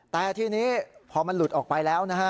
แต่ทีนี้พอมันหลุดออกไปแล้วนะฮะ